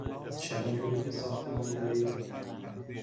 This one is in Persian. چه نوع بلوک ساختمانی دارید؟